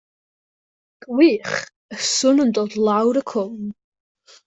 Gwych, y sŵn yn dod lawr y cwm.